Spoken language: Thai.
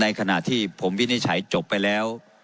ขณะที่ผมวินิจฉัยจบไปแล้ว